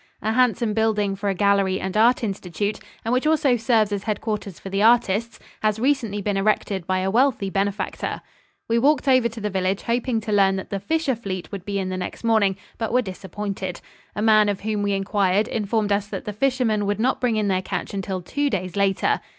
A handsome building for a gallery and art institute, and which also serves as headquarters for the artists, has recently been erected by a wealthy benefactor. We walked over to the village, hoping to learn that the fisher fleet would be in the next morning, but were disappointed. A man of whom we inquired informed us that the fishermen would not bring in their catch until two days later.